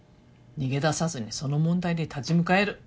逃げ出さずにその問題に立ち向かえる。